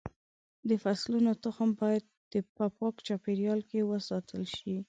د فصلونو تخم باید په پاک چاپېریال کې وساتل شي.